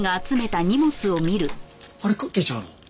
あれクッキーちゃうの？